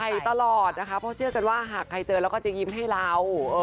ตลอดนะคะเพราะเชื่อกันว่าหากใครเจอเราก็จะยิ้มให้เรา